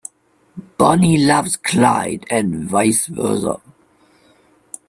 Bonnie loves Clyde and vice versa.